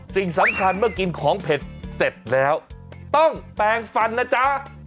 สิ่งสำคัญเมื่อกินของเผ็ดเสร็จแล้วต้องแปลงฟันนะจ๊ะ